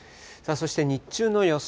そして日中の予想